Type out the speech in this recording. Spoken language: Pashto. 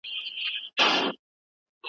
د جنګ خبري خوږې وي خو ساعت یې تریخ وي